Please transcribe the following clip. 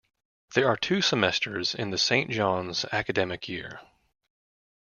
There are two semesters in the Saint John's academic year.